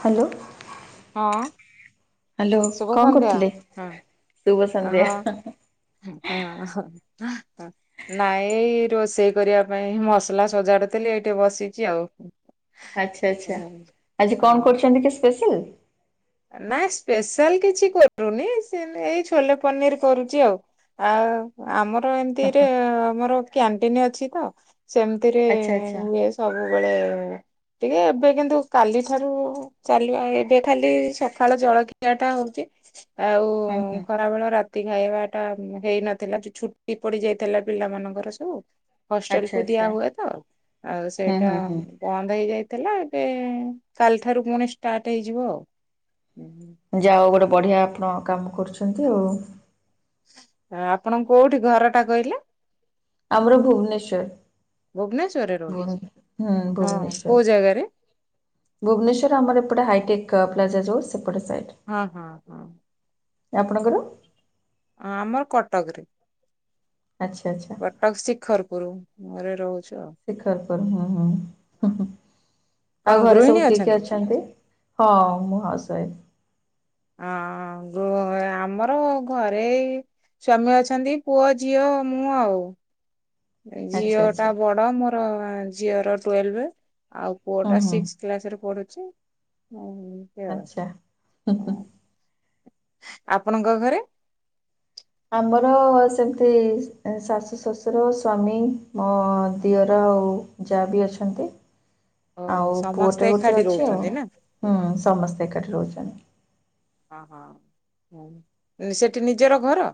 Hello. ହଁ hello ଶୁଭ କଣ ସନ୍ଧ୍ୟା, କରୁଥିଲେ? ଶୁଭ ହଁ ସନ୍ଧ୍ୟା ହଁ। [unintelligible] ନାଇଁ ଏଇ ରୋଷେଇ କରିବା ପାଇଁ ମସଲା ସଜାଡୁଥିଲି ଏଇଟି ବସିଛି ଆଉ। ଆଚ୍ଛା ଆଚ୍ଛା ଆଜି କଣ ହଁ କରୁଛନ୍ତି କି ସ୍ପେଶାଲ? ନା ସ୍ପେଶାଲ କିଛି କରୁନି ସେ ଏଇ ଛୋଲେ ପନିର କରୁଚି ଆଉ। ଆ ଆମର ଏମିତିରେ ଆମର କ୍ୟାଣ୍ଟିନ ଅଛି ତ ସେମିତିରେ ଆଚ୍ଛା ଆଚ୍ଛା ହୁଏ। ସବୁବେଳେ ଟିକେ ଏବେ କିନ୍ତୁ କାଲି ଠାରୁ ଚାଲିବା ଏବେ ଖାଲି ସକାଳ ଜଳଖିଆ ଟା ହଉଛି ଆଉ ହୁଁ ହୁଁ ଖରାବେଳ ରା ତି ଖାଇବା ଟା ହେଇନଥିଲା ଯୋଉ ଛୁଟି ପଡି ଯାଇଥିଲା ପିଲାମାନଙ୍କର ସବୁ। ହଷ୍ଟେଲ ଆଚ୍ଛା କୁ ଦିଆ ଆଚ୍ଛା। ହୁଏ ତ ଆଉ ହୁଁ ସେଇଟା ହୁଁ ହୁଁ ବନ୍ଦ ହେଇଯାଇଥିଲା ଏବେ କାଲିଠାରୁ ପୁଣି ଷ୍ଟାର୍ଟ ହେଇଯିବ ଆଉ। ହୁଁ ହୁଁ। ଯା ଉ ଗୋଟେ ବଢ଼ିଆ ଆପଣ କାମ କରୁଛନ୍ତି ଆଉ ଆପଣ କୋଉଠି ଘର ଟା କହିଲେ? ଆମର ଭୁବନେଶ୍ଵ ର। ଭୁବନେଶ୍ଵରରେ [unintelligible] ହୁଁ ରହୁଛନ୍ତି ହଁ ଭୁବନେସ୍ୱର କୋଉ ଜାଗାରେ? ଭୁବନେଶ୍ଵର ଆମର ଏପଟେ ହାଇଟେକ୍ ପ୍ଲାଜା ଯୋଉ ସେପଟେ ସାଇଟରେ। ହଁ ହଁ ହଁ। ଆପଣଙ୍କର? ଅ ଆମର କଟକରେ। ଆଛ ଆଛା। କଟକ ଶିଖରପୁର ରେ ରହୁଚୁ ଆଉ ଶିଖରପୁର ହୁଁ ହୁଁ କଣ ଆଉ ଘରେ ଗୃହିଣୀ ସବୁ କିଏ କିଏ ଅଛନ୍ତି? ଅଛ ହଁ ମୋ ହଜବେଣ୍ଡ। ହଁ ଗୋ ଆମର ଘରେ ସ୍ଵାମୀ ଅଛନ୍ତି ପୁଅ ଝିଅ ମୁଁ ଆଉ। ଆଚ୍ଛା ଝିଅ ଟା ଆଚ୍ଛା ବଡ ମୋର ଝିଅର ଟୁଏଲଭ, ଆଉ ପୁଅ ହୁଁ ଟା ହୁଁ ସିକ୍ସ କ୍ଲାସ ରେ ପଢୁଛି ଆଉ ଏମତି ଆଚ୍ଛା। ହଁ। ଆପଣଙ୍କ ଘରେ? ଆମର ସେମିତି ଶାଶୁ ଶ୍ୱଶୁର ସ୍ୱାମୀ ମୋ ଦିଅର ଆଉ ଯାଆ ବି ଅଛନ୍ତି ଓ ଆଉ ସମସ୍ତେ ପୁଅଟେ ଗୋଟେ ଏକାଠି ଅଛି ଆଉ। ରହୁଛନ୍ତି ନା? ହଁ ସମସ୍ତେ ଏକାଠି ରହୁଛନ୍ତି। ସେଠି ନିଜର ଘର?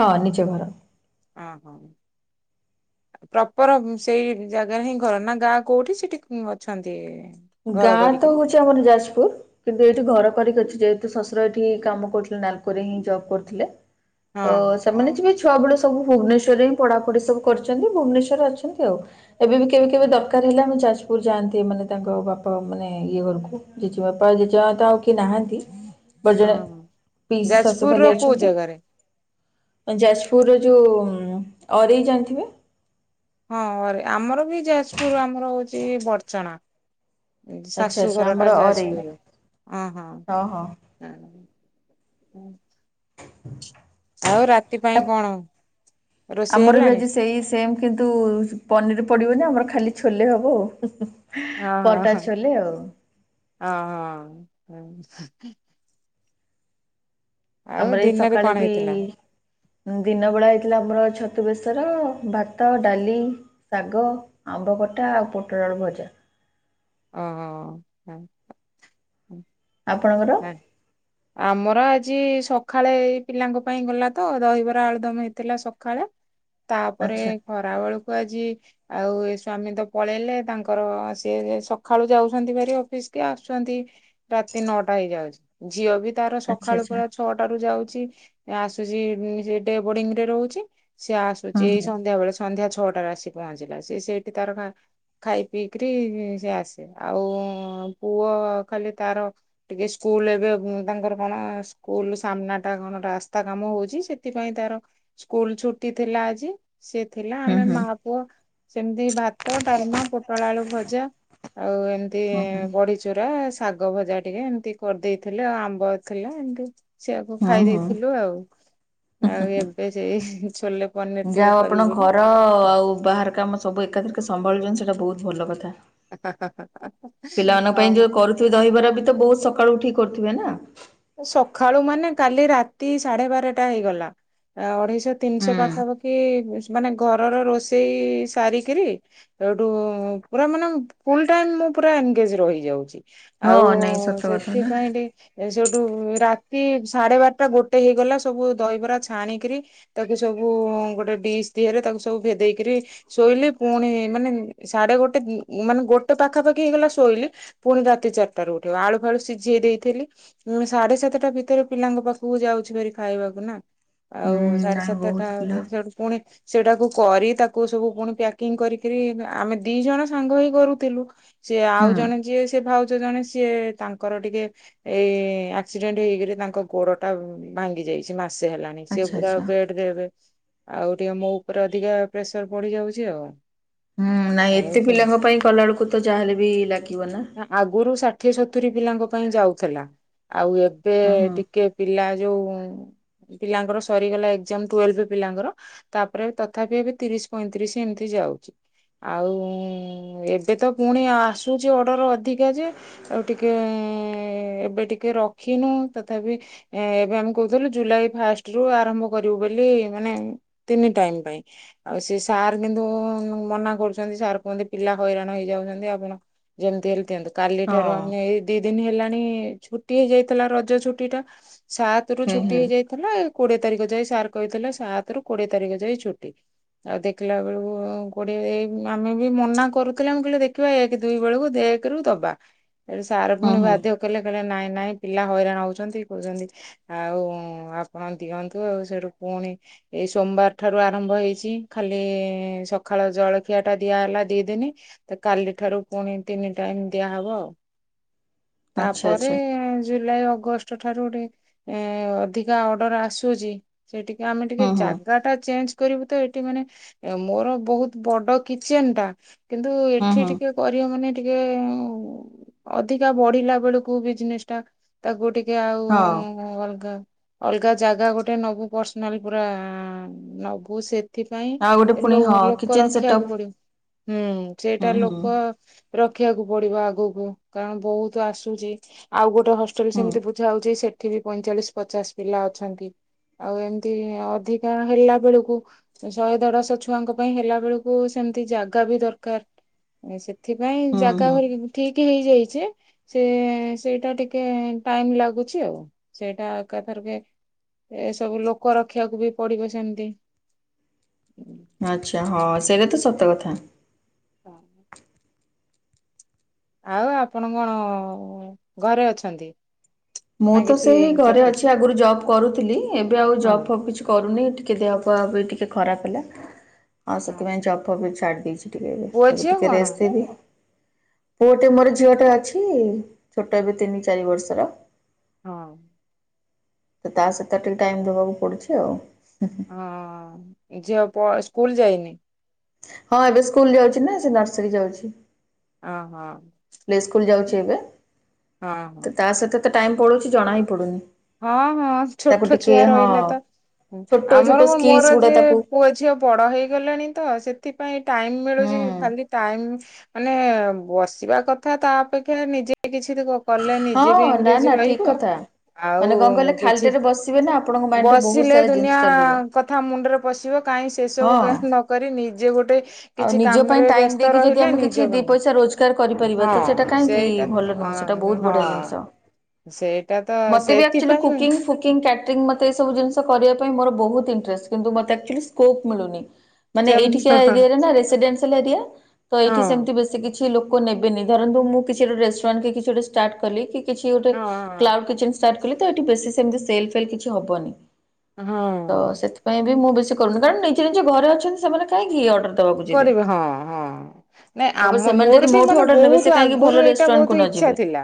ହଁ ନିଜ ଘର। ହଁ ହଁ। ପ୍ରପର ସେଇ ଜାଗାରେ ହିଁ ଘର ନା ଗାଁ କୋଉଠି ସେଠି ଅଛନ୍ତି? ଘର ଗାଁ ତ କରିକିରି ହଉଛି ଆମର ଯାଜପୁର। କିନ୍ତୁ ଏଇଠି ଘର କରିକି ଅଛି ଯେହେତୁ ଶଶୁର ଏଇଠି କାମ କରୁଚନ୍ତି ନାଲକୋରେ ହିଁ ଜବ୍ କରୁଥିଲେ। ହଁ ତ ହଁ ସେମାନେ ଯିବେ ଛୁଆବେଳ ସବୁ ଭୁବନେଶ୍ବର ହିଁ ପଢାପଢି ସବୁ କରିଚନ୍ତି ଭୁବନେଶ୍ୱରେ ଅଛନ୍ତି ଆଉ। ଏବେ ବି କେବେ କେବେ ଦରକାର ହେଲା ଆମେ ଯାଜପୁର ଯାଆନ୍ତି ମାନେ ତାଙ୍କ ବାପ୍ ପ ମାନେ ଇଏ ଘରକୁ ଜେଜେ ବାପା ଜେଜେମା ତ ଆଉ କିଏ ନାହାନ୍ତି। ମୋ ହଁ ଜଣେ ହଁ। ପିସି ଶାଶୁ ଯାଜପୁରର ଖାଲି କୋଉ ଅଛନ୍ତି। ଜାଗାରେ ଯାଜପୁରରେ ଯୋଉ ଅରେଇ ଜାଣିଥିବେ? ହଁ ଅରେ ଆମର ବି ଯାଜପୁର ଆମର ହଉଛି ବଡଚଣା। ଆଚ୍ଛା ଆଚ୍ଛା ଶାଶୁଘର ଆମର ଟା ଅରେଇ ଯାଜପୁରେ ଅ ହଁ। ହୁଁ। ରାତି ପାଇଁ ଆପ୍ କଣ ରୋଷେଇ ଆମର ବି ହେଲାଣି ଆଜି ସେଇ ସେମ୍ କିନ୍ତୁ ପନିର ପଡିବନି ଆମର ଖାଲି ଛୋଲେ ହବ ହୁଁ ହୁଁ। ହଁ ହ ହ ହଁ ହ ହ ଆଉ ଆମର ଏଇ ଦିନରେ ସକାଳେ କଣ ବି ହେଇଥିଲା ଦିନବେଳା ହେଇଥିଲା ଆମର ଛତୁ ବେଶର ଭାତ ଡାଲି ଶାଗ ଆମ୍ବ ଖଟା ଆଉ ପୋଟଳ ଆଳୁ ଭଜା। ଓହୋ ହଁ। ଆପଣଙ୍କର? ଆମର ଆଜି ସକାଳେ ଏ ପିଲାଙ୍କ ପାଇଁ ଗଲା ତ ଦହିବରା ଆଳୁଦମ ହେଇଥିଲା ସକାଳେ। ତାପରେ ଆଚ୍ଛା ଖରା ବେଳକୁ ଆଜି ଆଉ ଏ ସ୍ଵାମୀ ତ ପଳେଇଲେ ତାଙ୍କର ସେ ଯେ ସକାଳୁ ଯାଉଛନ୍ତି ଭାରି ଅଫିସ କି ଆସୁଛନ୍ତି ରାତି ନଅଟା ହେଇଯାଉଛି ଝିଅ ବି ତାର ଆଚ୍ଛା ସକାଳୁ ଆଚ୍ଛା ପୁରାଚ ଛଅଟା ରୁ ଯାଉଛି ଆସୁଛି ଯେ ଡେବୋଡିଙ୍ଗ୍ ରେ ରହୁଛି ସେ ଆସ କହୁଚି ଏଇ ହୁଁ ସନ୍ଧ୍ୟା ବେଳେ ସନ୍ଧ୍ୟା ଛଅଟାରେ ଆସି ପହଞ୍ଚିଲା ସେ ସେଇଠି ତାର ଖାଁ ଖାଇ ପିଇକିରି ସେ ଆସେ ଆଉ ପୁଅ ଖାଲି ତାର ଟିକେ ସ୍କୁଲ୍ ଏବେ ବ ତାଙ୍କର କଣ ସ୍କୁଲ ସାମ୍ନା ଟା କଣ ରାସ୍ତା କାମ ହଉଛି ସେଥିପାଇଁ ତାର ସ୍କୁଲ୍ ଛୁଟି ଥିଲା ଆଜି ସେ ଥିଲା ହୁଁ ହୁଁ ଆମେ ହୁଁ ମା ପୁଅ ସେମିତି ଭାତ ଡାଲମା ପୋଟଳ ଆଳୁ ଭଜା ଆଉ ଏମିତି ହୁଁ ହୁଁ ବଢି ଚୁରା ଶାଗ ଭଜା ଟିକେ ଏମିତି କରିଦେଇଥିଲେ ଆଉ ଆମ୍ବ ଥିଲା ଏମିତି ସେଆକୁ ହୁଁ ଖାଇ ଦେଇେଇଥିଲୁ ହୁଁ ଆଉ। ଆଉ ଏବେ ସେଇ ଛୋଲେ ପନିର ଯାଅ ଟିକେ ଆପଣ କରିବି ଘର ବୋଲି ଆଉ ବାହାର କାମ ସବୁ ଏକାଥିରିକେ ସମ୍ଭାଳୁଛନ୍ତି ସେଇଟା ବହୁତ ଭଲ କଥା। ହା ହା ହା ହା ହଁ। ତୁ ଦହିବରା ବି ତ ବୋହୁତ୍ ସକାଳୁ ଉଠିକି କରୁଥିବେ ନା? ସଖାଳୁ ମାନେ କାଲି ରାତି ସାଢେ ବାରଟା ହେଇଗଲା ଅଢେଇଶ ଯୋ ତିନିଶହ ହୁଁ ପାଖାପାଖି ମାନେ ଘରର ରୋଷେଇ ସାରିକିରି ସେଉଠୁ ପୁରା ମାନେ ଫୁଲ୍ ଟାଇମ୍ ମୁଁ ପୁରା ଏନ୍ ଗେଜ୍ ରହିଯାଉଛି। ହଁ ଆଉ ନାଇଁ ସତ କଥା ନା ସେଥିପାଇଁ ଟିକେ ସେଠୁ ରୁ ରାତି ସାଢେ ବାରଟା ଗୋଟେ ହେଇଗଲା ସବୁ ଦହିବରା ଛାଣିକିରି ତାକୁ ସବୁ ଗୋଟେ ଡିସ୍ ଦିଅର ତାକୁ ସବୁ ଭେଦେଇକିରି ଶୋଇଲି ପୁଣି ମାନେ ସାଢେ ଗୋଟେ ମାନେ ଗୋଟେ ପାଖାପାଖି ହେଇଗଲା ଶୋଇଲି ପୁଣି ରାତି ଚାରିଟା ରୁ ଉଠିବ ଆଳୁ ଫାଳୁ ସିଝେଇ ଦେଇଥିଲି ହୁଁ ସାଢେ ସାତଟା ଭିତରେ ପିଲାଙ୍କ ପାଖକୁ ଯାଉଛି ଧରି ଖାଇବାକୁ ନା। ହୁଁ ଆଉ ସାଢେ ନାଇଁ ସାତଟା ବହୁତ ପିଲା ସେଠୁ ପୁଣି ସେଟାକୁ କରି ତାକୁ ସବୁ ପୁଣି ପ୍ୟାକିଂ କରିକରି ଆମେ ଦି ଜଣ ସାଙ୍ଗ ହେଇ କରୁଥିଲୁ ସିଏ ଆଉ ହୁଁ ଜଣେ ଯିଏ ସେ ଭାଉଜ ଜଣେ ସିଏ ତାଙ୍କର ଟିକେ ଏ ଏଇ ଆକ୍ସିଡେଣ୍ଟ ହେଇକରି ତାଙ୍କ ଗୋଡ଼ଟା ଭାଙ୍ଗି ଯାଇଛି ମାସେ ହେଲାଣି ସେ ଆଚ୍ଛା ପୁରା ଆଚ୍ଛା ବେଡ଼୍ ରେ ଏବେ ଆଉ ଟିକେ ମୋ ଉପରେ ଅଧିକା ପ୍ରେସର ବଢି ଯାଉଛି ଆଉ। ହୁଁ ନାଇଁ ଆଉ ଏତେ ସେ ପିଲାଙ୍କ ପାଇଁ କଲାବେଳକୁ ତ ଯାହା ହେଲେ ବି ଲାଗିବ ନାଁ। ଆଗରୁ ଷାଠିଏ ସତୁରୀ ପିଲାଙ୍କ ପାଇଁ ଯାଉଥିଲା ଆଉ ଏବେ ହୁଁ ହୁଁ ଟିକେ। ପିଲା ଯୋଉ ପିଲାଙ୍କର ସରିଗଲା ଏକ୍ ଜାମ ଟୁଏଲଭି ପିଲାଙ୍କର। ତାପରେ ତଥାପି ଏବେ ତିରିଶ ପଇଁତିରିଶ ଏମିତି ଯାଉଛି ଆଉ ଏବେ ତ ପୁଣି ଆସୁଛି ଅର୍ଡ଼ର ଅଧିକା ଯେଏ। ଆଉ ଟିକେ ଏବେ ଟିକେ ରଖିନୁ ତଥାପି। ଏଁ ଏବେ ଆମେ କହୁଥିଲୁ ଜୁଲାଇ ଫାଷ୍ଟ ରୁ ଆରମ୍ଭ କରିବୁ ବୋଲି ମାନେ ତିନି ଟାଇମ୍ ପାଇଁ। ଆଉ ସେ ସାର୍ କିନ୍ତୁ ମନା କରୁଛନ୍ତି ସାର୍ କୁ ପିଲା ହଇରାଣ ହେଇଯାଉଛନ୍ତି ଆପଣ ଯେମ୍ତି ହେଲେ ତେଏଁ ନ୍ତୁ। କାଲି ହଁ ଠାରୁ ଆମେ ଏଇ ଦିଇ ଦିନ ହେଲାଣି ଛୁଟି ହେଇଯାଇଥିଲା ରଜ ଛୁଟି ଟା ସାତ୍ ସତରୁ ହୁଁ ଛୁଟି ହୁଁ ହେଇଯାଇଥିଲା କୋଡିଏ ତାରିଖ ଯାଏଁ ସାର୍ କହିଥିଲେ ସାତ ରୁ କୋଡିଏ ତାରିଖ ଯାଇ ଛୁଟି। ଆଉ ଦେଖିଲା ବେଳକୁ କୋଡିଏ ଏଇ ଆମେ ବି ମନା କରୁଥିଲେ ମୁଁ କହିଲେ ଦେଖିବା ଏକ ଦିଇ ବେଳକୁ ଦେଖ୍। କେରୁ ଦବା ସାର୍ ହୁଁ ପୁଣି ହୁଁ ବାଧ୍ୟଅ କଲଲେ କହିଲେ ନାଇଁ ନାଇଁ ପିଲା ହଇରାଣ ହଉଛନ୍ତି କହୁଛନ୍ତି। ଆଉ ଆପଣ ଦିଅନ୍ତୁ ଆଉ ସେଠୁ ପୁଣି। ଏଇ ସୋମବାର ଠାରୁ ଆରମ୍ଭ ହେଇଛି ଖାଲି ସଖାଳ ଜଳଖିଆ ଟା ଦିଆ ହେଲା ଦିଇ ଦିନି। କାଲି ଠାରୁ ପୁଣି ତିନି ଟାଇମ୍ ଦିଆହବ ଆଉ। ଆଚ୍ଛା ତାପରେ ଆଚ୍ଛା ଜୁଲାଇ ଅଗଷ୍ଟ। ସୋଠାରୁ ଟିକେ ଏ‍ଁ ଅଧିକା ଅର୍ଡର ଆସୁଚି। ସେଟିକେ ଆମେ ଟିକେ ହୁଁ ହୁଁ ଜାଗା ଟା ଚେଞ୍ଜ। କରିବୁ ତ ଏଠି ମାନେ ମୋର ବହୁତ ବଡ କିଚେନ ଟା କିନ୍ତୁ ହୁଁ ଏଠି ହୁଁ ଟିକି ବାକ୍। କରିବ ମାନେ ଟିକେ ଅଧିକା ବଢିଲା ବେଳକୁ ବିଜନେସ ଟା ତାକୁ ଟିକେ ଆଉ ହଁ ଅଲଗା ଅଲଗା ଜାଗା ଗୋଟେ ନବୁ ପର୍ସନାଲ ପୁରା ନବୁ ସେତ୍। ଏଥିପାଇଁ ଆଉ ଗୋଟେ ଲେ ପୁଣି ହଁ ଲୋକ କିଚେନ ରଖିବାକୁ ସେଟଅପ୍ ପଡିବ ହୁଁ ହୁଁ ସେଇଟା ହୁଁ ଲୋକ ରଖିବାକୁ ପଡିବ ଆଗକୁ କାରଣ ବହୁତ ଆସୁଚି ଆଉ ଗୋଟେ ହଷ୍ଟେଲ ହୁଁ ସେମ୍ତି ଭୂତ୍ ଯାଉଚି ସେଠି ବି ପଇଁଚାଳିଶ ପଚାଶ ପିଲା ଅଛନ୍ତି ଆଉ ଏମ୍ତି ଅଧିକା ହେଲା ବେଳକୁ। ଶହେ ଦେଢଶହ ଛୁଆଙ୍କ ପାଇଁ ହେଲା ବେଳକୁ ସେମ୍ତି ଜାଗା ବି ଦରକାର ସେଥିପାଇଁ ହୁଁ ଜାଗା ହୁଁ। ଭରିକି ଠିକ୍ ହେଇଯାଇଛି ସେ ସେଇଟା ଟିକେ ଟାଇମ୍ ଲାଗୁଛି ଆଉ ସେଇଟା ଏକାଥରକେ ଏସବୁ ଲୋକ ରଖିବାକୁ ବି ପଡିବ ସେମତି। ଆଚ୍ଛା ହଁ ସେଇଟା ତ ସତ କଥା। [inaudible] ଆଉ ଆପଣ କଣ ଘରେ ଅଛନ୍ତି? ମୁଁ ନା ତ କିଛି ସେଇ ଘରେ ଚାକିରି ଅଛି ଆଗରୁ ଜବ୍ କରୁଥିଲି ଏବେ ଆଉ ହଁ ଜପ୍ ଫପ୍ କିଛି କରୁନି ଟିକିଏ ଦେହ ପଅବି ଟିକିଏ ଖରାପ ହେଲା ଆଉ ହଁ ସେଥିପାଇଁ ଜପ୍ ଫପ୍ ଛାଡି ଦେଇଛି ଟିକେ ପୁଅ ଏବେ ଝିଅ ଟିକେ କଣ? ରେଷ୍ଟ୍। ପୁଅଟେ ମୋର ଝିଅ ଟିଏ ଅଛି ଛୋଟ ଏବେ ତିନି ଚାରି ବର୍ଷର ହଁ। ତା ସେତା ଟିକେ ଟାଇମ ଦବାକୁ ପଡୁଛି ଆଉ। ହଁ ଝିଅ କ ସ୍କୁଲ ଯାଇନି? ହଁ ଏବେ ସ୍କୁଲ ଯାଉଚି ନାଁ ସେ ନର୍ସରୀ ଯାଉଛି ଓହୋ ପିଲେ ସ୍କୁଲ ଯାଉଛି ଏବେ ହଁ ହଁ ତା ସହିତ ତ ଟାଇମୁ ପଡୁଛି ଜଣା ହିଁ ପଡ଼ୁନି। ହଁ ହଁ ଛୋଟ ଛୁଆ ରହିଲା ତ ଛୋଟ ଛୋଟ ଆମର କଣ ସ୍କିଲ୍ସ ମୋର ଗୁଡା ଯେ ତାକୁ ପୁଅ ଝିଅ ବଡ଼ ହେଇଗଲେଣି ତ ସେଥିପାଇଁ ଟାଇମ୍ ହୁଁ ମିଳୁଛି ଖାଲି ଟାଇମ୍। ମାନେ ବସିବା କଥା ତା ଅପେକ୍ଷା ନିଜେ କିଛି। କଲେ ନିଜେ ବି ହଁ ନା ଏନଗେଜ୍ ନା ଠିକ ରହିବ। କଥା। ମାନେ ଆଉ କଣ କହିଲେ କିଛି ଖାଲିଟାରେ ବସିବେ ନା ଆପଣଙ୍କ ମାଇଣ୍ଡରେ ବହୁତ ବସିଲେ ସାରା ଜିନିଷ ଦୁନିଆ। ଚାଲିବ କଥା ମୁଣ୍ଡରେ ପଶିବ କାହିଁ ସେ ହଁ। ସବୁ ନକ ନିଜେ ଗୋଟେ। ଆଉ କିଛି ନିଜ ପାଇଁ କାମରେ ଟାଇମ୍ ବ୍ୟସ୍ତ ଦେଇକି ଯଦି ରହିଲେ ଆମେ କିଛି ନିଜ ଦି ପଇସା ରୋଜଗାର କରିପାରିବା ତ ସେଇଟା କାହିଁକି ଭଲ ନୁହଁ ସେଟା। ଏଇା ବହୁତ ହଁ ବଢିଆ ଜିନିଷ। ସେଇଟା ତ। ମତେ ବି ଆକ୍ଚୁଲି ସେଥିପାଇଁ କକିଂ। କୁକିଂ କ୍ୟାଟରିଂ ମୋତେ ଏବୁ ଜିନିଷ କରିବା ପାଇଁ ମୋର ବହୁତ ଇଣ୍ଟରେଷ୍ଟ, କିନ୍ତୁ ମତେ ଆକ୍ଚୁଲି ସ୍କୋ୍ପ୍ ମିଳୁନି। ମାନେ ସେମତି ଏଇଠିକା ଏରେ ନା ରେସିଡେସିଆ ଏରିଆ, ତ ଏଇଠି ହଁ ସେମତି ବେଶ, ସେ କିଛି ଲୋକ ନେବେନି ଧରନ୍ତୁ, ମୁଁ କିଛି ଗୋଟେ ରେଷ୍ଟୁରାଣ୍ଟ କିଛି ଗୋଟେ ଷ୍ଟାର୍ଟ କଲି କି। କିଛି ଗୋଟେ ହଁ କ୍କଳୁ ତ ଏଠି ବେଶୀ ସେମତି ଫଲ କିଛି ହବନି। ହଁ ତ ସେଥିପାଇଁ ବି ମୁଁ ବେଶୀ କରୁନି କାରଣ ନିଜେ ନିଜେ ଘରେ ଅଛନ୍ତି, ସେମାନେ କାଇଁ ଘି ଅର୍ଡର। ଦବାକୁ ଯିବେ। କରିବେ, ହଁ ହଁ ନାଇଁ ତାପରେ ଆମ ସେମାନେ ଯଦି ମୋର ବି ମୋଠୁ ମାନେ ଅର୍ଡର ନେବେ ସେ ବହୁତ କାହିଁକି ଭଲ ଆଗରୁ ଏଇଟା ରେଷ୍ଟୁରାଣ୍ଟ କୁ ବହୁତ ନ ଇଚ୍ଛା ଯିବେ ଅ। ଥିଲା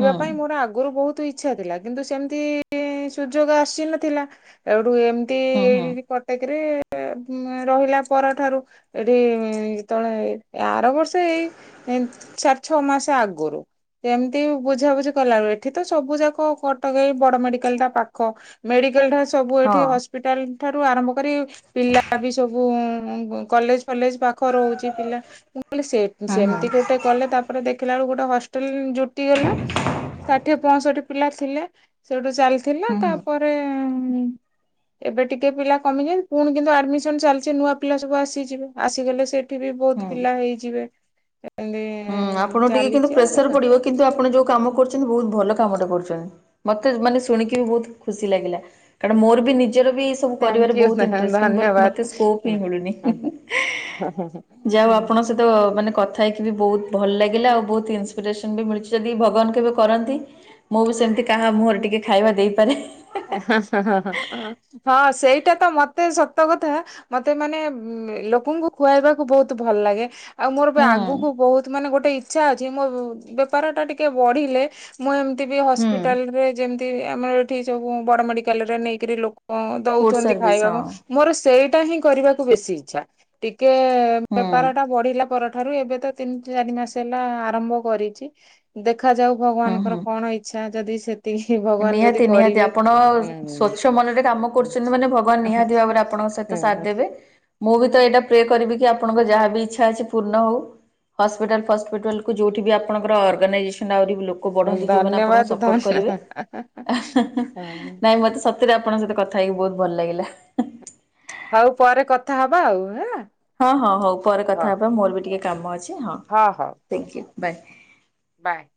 ହୁଁ ପାଇଁ ମୋର ଆଗରୁ ବହୁତ। ଇଛା ଥିଲା କିନ୍ତୁ ସେମିତି ସୁଯୋଗ ଆସିନଥିଲା ଏଠୁ ଏମନ୍ତି। ହୁଁ ହୁଁ। କଟକରେ ରହିଲା। ପର ଠାରୁ ଏଠି ଯେତଳେ ଆର ବର୍ଷ ଏଇ। ସାର୍ ଛଅ ମାସ ଆଗୋରୁ। ଏମିତି ବୁଝାବୁଝି କଲାଣି ଏଠି ତ ସବୁ ଯାକ କଟକେଇ ବଡ ମେଡିକାଲ ଟା ପାଖ ମେଡିକାଲ। ସବୁ ହଁ ଏଠି ହସ୍ପିଟାଲ ଠାରୁ ଆରମ୍ଭ କରି ପିଲା ବି ସବୁ କଲେଜ ଫଲେଜ- ପାଖ ରହୁଛି ପିଲା ମୁଁ କହିଲି ସେ ହୁଁ ସେମିତି ହୁଁ ଗୋଟେ। କଲେ ତାପରେ ଦେଖିଲା ବେଳ ଗୋଟେ ହଷ୍ଟେଲ ଜୁଟି ଗଲା। ଷାଠିଏ ପଞ୍ଚଷଠି ପିଲା ଥିଲେ ସେଠୁ ଚାଲିଥିଲା ହୁଁ ହୁଁ ତାପରେ। ଏବେ ଟିକେ ପିଲା କମିଛନ୍ତି ପୁଣି କିନ୍ତୁ ଆଡମିସନ ଚାଲିଛି ନୂଆ। ପିଲା ସବୁ ଆସିଯିବେ ଆସିଗଲେ ସେଠି ବି ବହୁତ ହୁଁ। ପିଲା ହେଇଯିବେ। ଏମତି ହୁଁ ଆପଣ ଟିକେ କିନ୍ତୁ ଚାଲିଛି ଆଉ ଦେଖ ପ୍ରେସର ପଡିବ କିନ୍ତୁ ଆପଣ ଯୋଉଁ କାମ କରୁଛନ୍ତି, ବହୁତ ଭଲ କାମଟା କରୁଛନ୍ତି। ମତେ ମାନେ ଶୁଣିକି ବି ବହୁତ ଖୁସି ଲାଗିଲା, କାରଣ ମୋର ବି ନିଜର ବି। ସବୁ ଥ୍ୟାଙ୍କ କରିବାରେ ୟୁ ବହୁତ ଇଣ୍ଟରେଷ୍ଟ ବଟ୍ ଧନ୍ୟବାଦ। ମୋତେ ସ୍କୋପ୍ ହିଁ ମିଳୁନି। ହୁଁ ହଁ ହୁଁ। ଆପଙ୍କ ସହିତ ମାନେ କଥା ହେଇକି। ବି ବହୁତ ଭଲ ଲାଗିଲା, ଆଉ ବହୁତ ଇନ୍ସପିରେସନ ବି ମିଳଛି ଯଦି ଭଗବାନ କେବେ କରନ୍ତି। ମୁଁ ବି ସେମିତି କାହା ମୁହଁରେ ଟିକେ ଖାଇବା ଦେଇପାରେ। ହଁ ସେଇଟା ତ ମତେ ସତ କଥା। ମତେ ମାନେ ଲୋକଙ୍କୁ ଖୁଆଇବାକୁ ବହୁତ ଭଲ ଲାଗେ। ଆଉ ମୋର ବି ହୁଁ ଆଗକୁ ବହୁତ ମାନେ ଗୋଟେ। ଇଚ୍ଛା ଅଛି ମୋ ବେପାର ଟା ଟିକେ ବଢିଲେ ମୁଁ ଏମିତି ବି ହୁଁ ହସ୍ପିଟାଲରେ ଯେମ। ଆମର ଏଠି ସବୁ ବଡ ମେଡିକାଲରେ ନେଇକରି ଲୋକ ଫୁଡ ଦଉଛନ୍ତି ସର୍ଭିସ୍ ହଁ ଖାଇବାକୁ। ମୋର ସେଇଟା ହିଁ କରିବାକୁ ବେଶୀ ଇଛା ଟିକେ। ହୁଁ ବେପାର ଟା ବଢିଲା ପରଠାରୁ ଏବେ ତ ତିନି ଚାରି ମାସ ହେଲା ଆରମ୍ଭ କରିଛି। ଦେଖାଯାଉ ହୁଁ ଭଗବାନଙ୍କର ହୁଁ। କଣ ଇଚ୍ଛା ଯଦି ସେତିକି ଭଗବାନ ଯଦି। ନିହାତି ନିହାତି କରିବେ ଆପଣ ହୁଁ ସ୍ଵଚ୍ଛ ମନରେ କାମ କରୁଛନ୍ତି ମାନେ ଭଗବାନ ନିହାତି ଭାବରେ ଆପଣଙ୍କ ସହିତ ସାଥ ଦେବେ। ମୁଁ ବି ତ ଏଇଟା ପ୍ରେ କରିବି କି ଆପଣଙ୍କ ଯାହାବି ଇଚ୍ଛା ଅଛି ପୂର୍ଣ୍ଣ ହଉ। ହସ୍ପିଟାଲ ଫସ୍ପିଟାଲ କୁ ଯଉଁଠି ବି ଆପଣଙ୍କର ଅର୍ଗାଇଜେସନ୍ ଆହୁ ବି ଲୋକ କ ବଢ଼ନ୍ତି ଯେଉଁମାନେ ଆପଣଙ୍କୁ ସପୋର୍ଟ କରିବେ। ହା ହା ହା। ହା ହା ନାଇଁ ମତେ ସତରେ ଆପଣଙ୍କ ସହିତ କଥା ହେଇକି ବହୁତ ଭଲ ଲାଗିଲା। ହଉ ପରେ କଥା ହବା ଆଉ ହେଁ। ହଁ ହଁ ହଉ ପରେ କଥା ହବା ମୋର ବି ଟିକେ କାମ ଅଛି। ହଁ ହଁ ହଁ ଥ୍ୟାଙ୍କ ୟୁ ବାଏ। ବାଏ।